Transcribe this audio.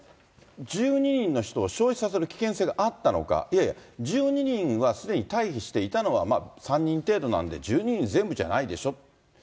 １２人の人を焼死させる危険性があったのか、いやいや、１２人はすでに退避して、いたのは３人程度なんで、１２人全部じゃないでしょうって。